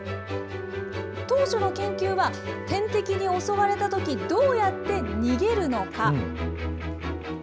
当初の研究は、天敵に襲われたとき、どうやって逃げるのか。